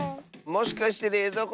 もしかしてれいぞう